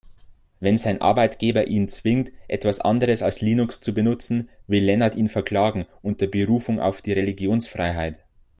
Wenn sein Arbeitgeber ihn zwingt, etwas anderes als Linux zu benutzen, will Lennart ihn verklagen, unter Berufung auf die Religionsfreiheit.